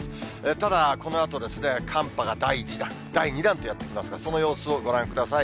ただ、このあとですね、寒波が第１弾、第２弾とやって来ますから、その様子をご覧ください。